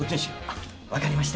分かりました。